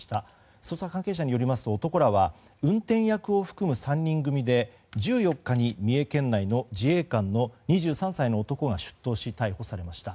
捜査関係者によりますと男らは運転手を含む３人組で１４日に三重県内の自衛官の２３歳の男が出頭し逮捕されました。